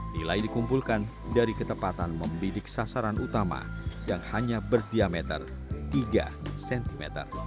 nilai dikumpulkan dari ketepatan membidik sasaran utama yang hanya berdiameter tiga cm